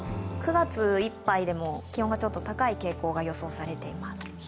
９月いっぱいでも気温がちょっと高い傾向が予想されています。